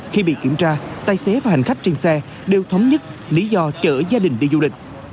khi bị kiểm tra tài xế và hành khách trên xe đều thống nhất lý do chở gia đình đi du lịch